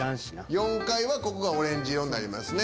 ４階はここがオレンジ色になりますね。